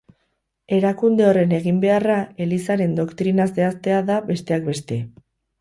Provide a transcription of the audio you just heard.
Erakunde horren eginbeharra Elizaren doktrina zehaztea da, besteak beste.